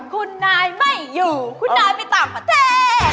คุณนายไม่อยู่คุณนายไปต่างประเทศ